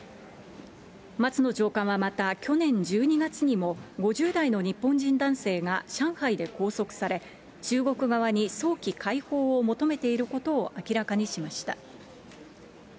松野長官はまた、去年１２月にも、５０代の日本人男性が上海で拘束され、中国側に早期解放を求めていることを明らかにしました。